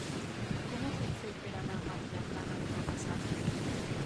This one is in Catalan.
Com ho puc fer per anar a Vilaplana demà passat?